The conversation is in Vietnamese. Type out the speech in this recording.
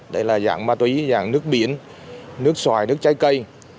đây là dạng ma túy dạng nước biển nước xoài nước trái cây